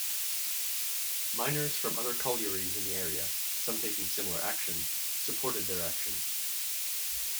Miners from other collieries in the area, some taking similar action, supported their action.